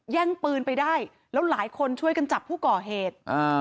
แย่งปืนไปได้แล้วหลายคนช่วยกันจับผู้ก่อเหตุ